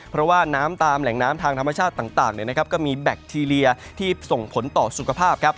เพราะว่าน้ำตามแหล่งน้ำทางธรรมชาติต่างก็มีแบคทีเรียที่ส่งผลต่อสุขภาพครับ